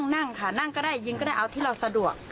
นั่งค่ะนั่งก็ได้ยิงก็ได้เอาที่เราสะดวก